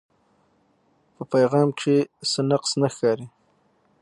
پۀ پېغام کښې څۀ نقص نۀ ښکاري